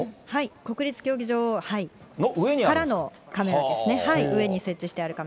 国立競技場。からのカメラですね。